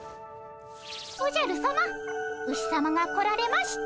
おじゃるさまウシさまが来られました。